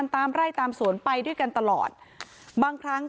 เพราะไม่เคยถามลูกสาวนะว่าไปทำธุรกิจแบบไหนอะไรยังไง